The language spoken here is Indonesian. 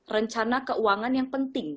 rencana keuangan yang penting